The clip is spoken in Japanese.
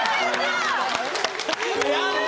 やった！